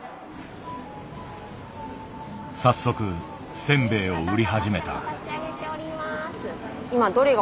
早速せんべいを売り始めた。